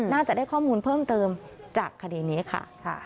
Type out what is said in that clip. น่าจะได้ข้อมูลเพิ่มเติมจากคดีนี้ค่ะ